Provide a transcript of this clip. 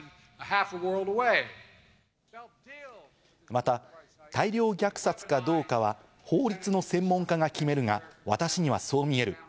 また大量虐殺かどうかは法律の専門家が決めるが、私にはそう見える。